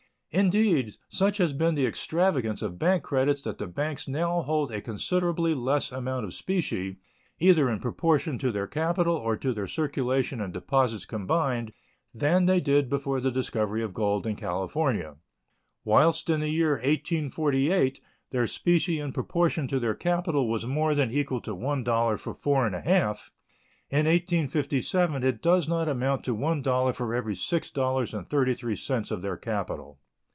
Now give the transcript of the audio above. Indeed, such has been the extravagance of bank credits that the banks now hold a considerably less amount of specie, either in proportion to their capital or to their circulation and deposits combined, than they did before the discovery of gold in California. Whilst in the year 1848 their specie in proportion to their capital was more than equal to one dollar for four and a half, in 1857 it does not amount to one dollar for every six dollars and thirty three cents of their capital.